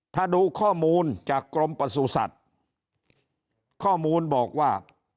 ถ้าดูข้อมูลจากกรมประสุทธิ์ข้อมูลบอกว่า